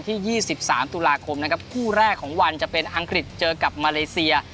๒๓ตุลาคมนะครับคู่แรกของวันจะเป็นอังกฤษเจอกับมาเลเซีย